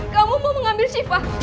kamu mau mengambil sifah